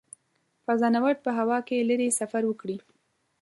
فضانورد په هوا کې لیرې سفر وکړي.